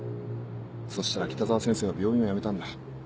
そしたら北澤先生は病院を辞めたんだ。